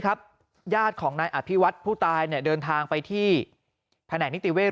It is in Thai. ญาติของนายอภิวัฒน์ผู้ตายเดินทางไปที่แผนกนิติเวศ